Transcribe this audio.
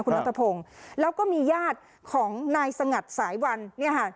คุณนัทพงศ์แล้วก็มีญาติของนายสงัดสายวันเนี่ยค่ะ